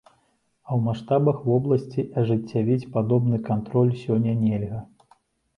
А ў маштабах вобласці ажыццявіць падобны кантроль сёння нельга.